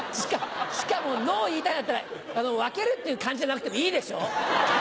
しかも「ノー」言いたかったら「分ける」って漢字じゃなくてもいいでしょう？